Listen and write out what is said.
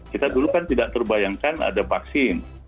kita dulu kan tidak terbayangkan ada vaksin